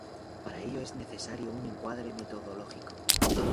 Para ello es necesario un encuadre metodológico.